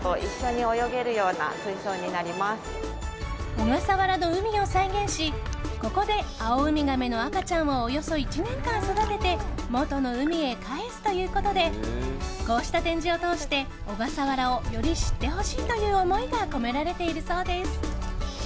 小笠原の海を再現しここでアオウミガメの赤ちゃんをおよそ１年間育てて元の海へ帰すということでこうした展示を通して、小笠原をより知ってほしいという思いが込められているそうです。